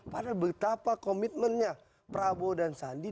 padahal betapa komitmennya prabowo dan sandi